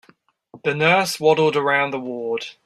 The nurse waddled around the ward.